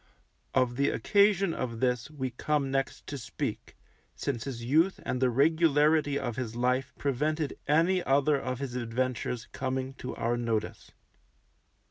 Of the occasion of this we come next to speak, since his youth and the regularity of his life prevented any other of his adventures coming to our notice.